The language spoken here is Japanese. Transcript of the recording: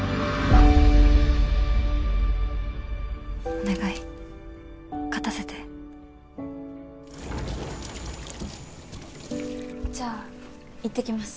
お願い勝たせてじゃあ行ってきます